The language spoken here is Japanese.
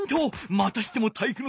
またしても体育ノ